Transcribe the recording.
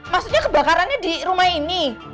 maksudnya kebakarannya di rumah ini